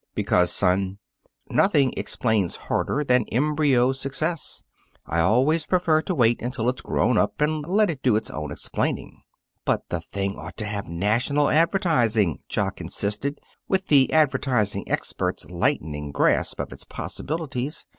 "Because, son, nothing explains harder than embryo success. I always prefer to wait until it's grown up and let it do its own explaining." "But the thing ought to have national advertising," Jock insisted, with the advertising expert's lightning grasp of its possibilities.